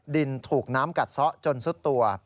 ดินถูกน้ำกัดซะจนสุดตัว